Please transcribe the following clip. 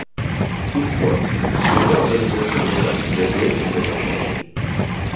Toutefois, une réorganisation des partis de gauche s'est enclenchée.